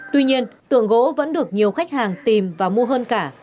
tuy nhiên tượng gỗ vẫn được nhiều khách hàng tìm và mua hơn cả